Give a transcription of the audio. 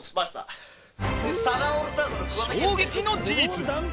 衝撃の事実